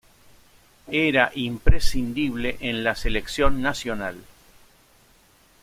Era imprescindible en la Selección Nacional.